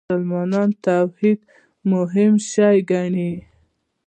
مسلمانان توحید مهم شی ګڼي.